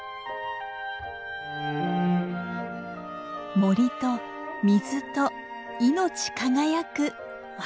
森と水と命輝く和紙の里。